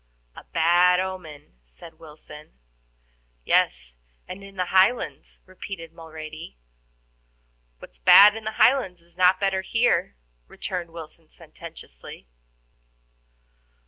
"A bad omen," said Wilson. "Yes, in the Highlands," repeated Mulrady. "What's bad in the Highlands is not better here," returned Wilson sententiously.